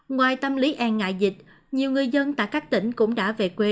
ngoài tâm lý e ngại dịch nhiều người dân tại các tỉnh cũng đã về quê